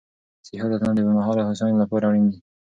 صحي عادتونه د اوږدمهاله هوساینې لپاره اړین دي.